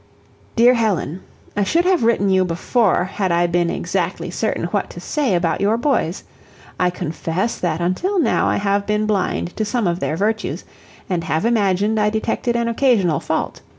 "DEAR HELEN: I should have written you before had I been exactly certain what to say about your boys. I confess that until now I have been blind to some of their virtues, and have imagined I detected an occasional fault.